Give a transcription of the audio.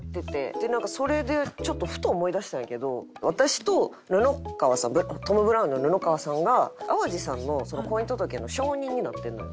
でなんかそれでちょっとふと思い出したんやけど私と布川さんトム・ブラウンの布川さんが淡路さんの婚姻届の証人になってるのよ。